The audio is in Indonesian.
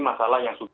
masalah yang sudah